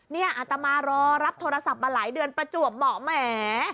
อาตมารอรับโทรศัพท์มาหลายเดือนประจวบเหมาะแหม